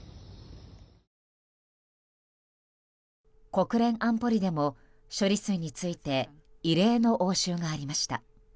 国連安保理でも処理水について異例の応酬がありました。